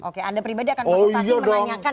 oke anda pribadi akan konsultasi menanyakan